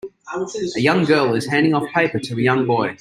A young girl is handing off a paper to a young boy.